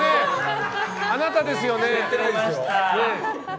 あなたですよね？